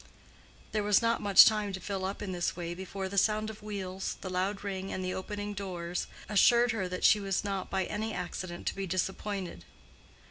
There was not much time to fill up in this way before the sound of wheels, the loud ring, and the opening doors assured her that she was not by any accident to be disappointed.